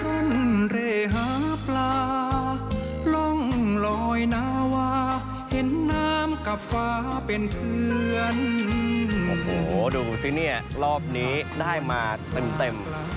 โอ้โหดูสิเนี่ยรอบนี้ได้มาเต็ม